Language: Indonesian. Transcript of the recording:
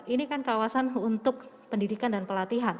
ini kan kawasan untuk pendidikan dan pelatihan